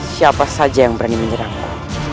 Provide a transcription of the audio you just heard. siapa saja yang berani menyerangnya